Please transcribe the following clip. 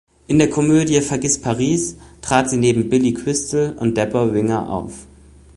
In der Komödie Vergiß Paris trat sie neben Billy Crystal und Debra Winger auf.